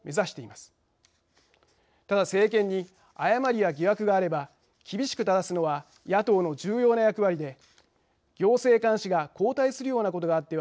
ただ政権に誤りや疑惑があれば厳しくただすのは野党の重要な役割で行政監視が後退するようなことがあってはなりません。